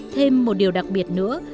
thêm một điều đặc biệt nữa